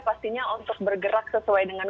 pastinya untuk bergerak sesuai dengan